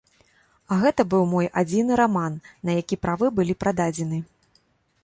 А гэта быў мой адзіны раман, на які правы былі прададзены.